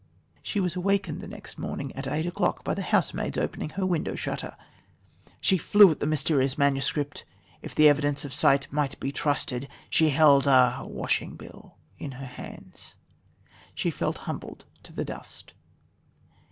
She was awakened the next morning at eight o'clock by the housemaid's opening her window shutter. She flew to the mysterious manuscript, If the evidence of sight might be trusted she held a washing bill in her hands ... she felt humbled to the dust."